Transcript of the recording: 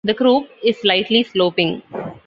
The croup is slightly sloping.